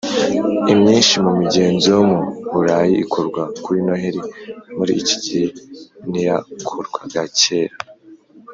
Imyinshi mu migenzo yo mu Burayi ikorwa kuri Noheli muri iki gihe n iyakorwaga kera